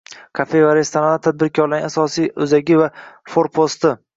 Kafe va restoranlar tadbirkorlarning asosiy oʻzagi va forposti.